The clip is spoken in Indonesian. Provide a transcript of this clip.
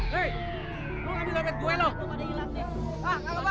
raja babi disamara